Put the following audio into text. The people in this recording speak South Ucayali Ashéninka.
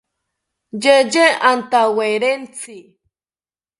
Yeye antawerentzi